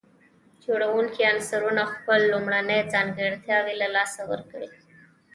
جوړونکي عنصرونه خپل لومړني ځانګړتياوي له لاسه ورکوي.